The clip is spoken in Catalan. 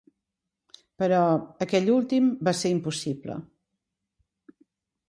Però aquell últim va ser impossible.